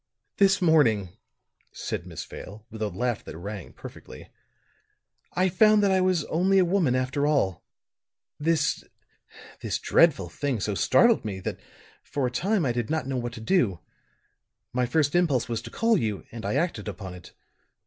"This morning," said Miss Vale, with a laugh that rang perfectly, "I found that I was only a woman after all. This this dreadful thing so startled me that for a time I did not know what to do. My first impulse was to call you, and I acted upon it.